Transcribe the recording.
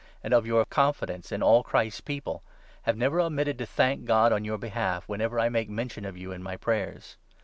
an(j of your confidence in all Christ's People, have never omitted to thank God on your behalf, whenever I make mention of you in my prayers.